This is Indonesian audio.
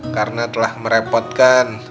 karena telah merepotkan